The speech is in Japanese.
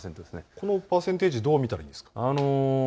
このパーセンテージどう見たらいいんですか。